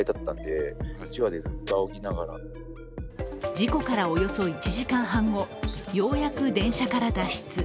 事故からおよそ１時間半後、ようやく電車から脱出。